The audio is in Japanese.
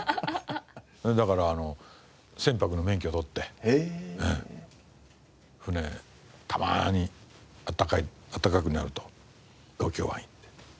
だから船舶の免許を取って船たまに暖かくなると東京湾行って。